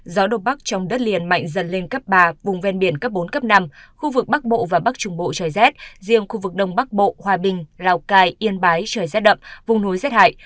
gió đông bắc trong đất liền mạnh dần lên cấp ba vùng ven biển cấp bốn cấp năm khu vực bắc bộ và bắc trung bộ trời rét riêng khu vực đông bắc bộ hòa bình lào cai yên bái trời rét đậm vùng núi rét hại